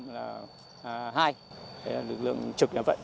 đấy là lực lượng trực như vậy